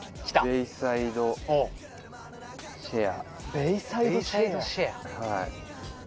ベイサイドシェア。